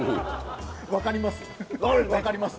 分かります。